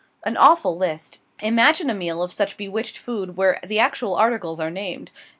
An awful list! Imagine a meal of such bewitched food, where the actual articles are named.